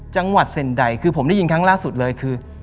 จังหวัดเซ็นใดคือผมได้ยินครั้งล่าสุดเลยคือ